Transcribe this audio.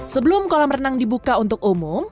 sebelum kolam renang dibuka untuk umum